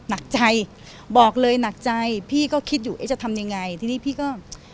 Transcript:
หนักใจบอกเลยหนักใจพี่ก็คิดอยู่เอ๊ะจะทำยังไงทีนี้พี่ก็